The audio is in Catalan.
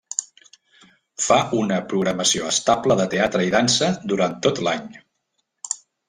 Fa una programació estable de teatre i dansa durant tot l'any.